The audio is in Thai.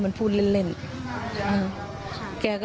เนื่องจากนี้ไปก็คงจะต้องเข้มแข็งเป็นเสาหลักให้กับทุกคนในครอบครัว